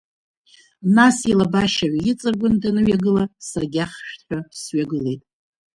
Нас илабашьа ҩаиҵаргәан даныҩагыла, саргьы ахьышәҭҳәа сҩагылеит.